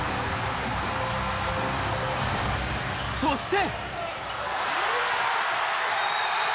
そして。